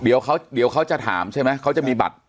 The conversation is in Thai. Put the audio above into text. เดี๋ยวเขาจะถามใช่ไหมเขาจะมีบัตร